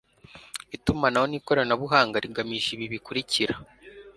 Itumanaho ni koranabuhanga rigamije ibi bikurikira